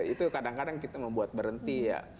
itu kadang kadang kita membuat berhenti ya